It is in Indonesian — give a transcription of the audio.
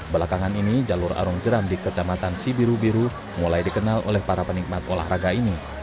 belakangan ini jalur arung jeram di kecamatan sibiru biru mulai dikenal oleh para penikmat olahraga ini